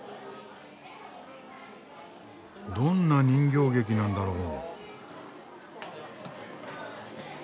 どんな人形劇なんだろう？